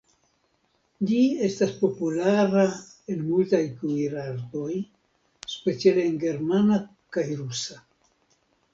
Ĝi estas populara en multaj kuirartoj, speciale en germana kaj rusa.